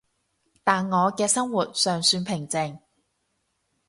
但我嘅生活尚算平靜